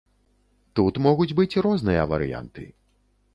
Тут могуць быць розныя варыянты.